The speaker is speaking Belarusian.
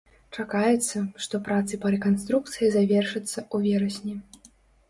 Чакаецца, што працы па рэканструкцыі завершацца ў верасні.